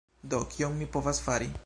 Do... kion mi povas fari?